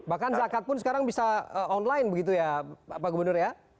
bahkan zakat pun sekarang bisa online begitu ya pak gubernur ya